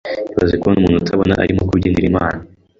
ibaze kubona umuntu utabona arimo kubyinira Imana